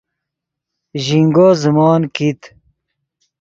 ژینگو زیموت کیت